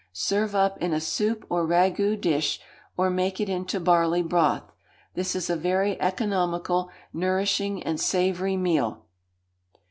Serve up in a soup or ragoût dish, or make it into barley broth. This is a very economical, nourishing, and savoury meal.